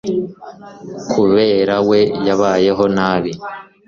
Kubera we, yabayeho nabi.